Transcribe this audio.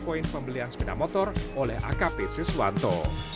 poin pembelian sepeda motor oleh akp siswanto